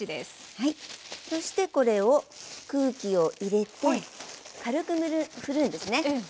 そしてこれを空気を入れて軽く振るんですね。